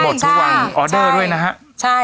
ออเดอร์ด้วยนะฮะ